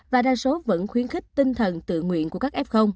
và đa số vẫn khuyến khích tinh thần tự nguyện của các f